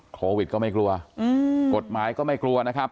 โควิดก็ไม่กลัวกฎหมายก็ไม่กลัวนะครับ